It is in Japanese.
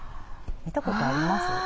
見たことあります？